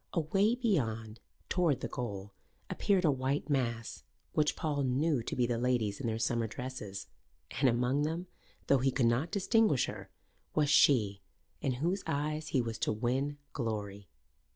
Away beyond, toward the goal, appeared a white mass, which Paul knew to be the ladies in their summer dresses; and among them, though he could not distinguish her, was she in whose eyes he was to win glory.